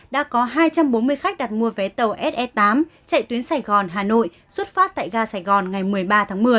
đã có hai trăm bốn mươi khách đặt mua vé tàu se tám chạy tuyến sài gòn hà nội xuất phát tại ga sài gòn ngày một mươi ba tháng một mươi